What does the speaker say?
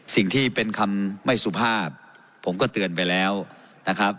สิ่งที่เป็นคำไม่สุภาพผมก็เตือนไปแล้วนะครับ